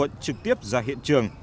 dân quận trực tiếp ra hiện trường